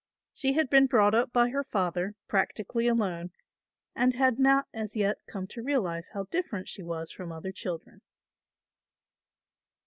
She had been brought up by her father, practically alone and had not as yet come to realise how different she was from other children.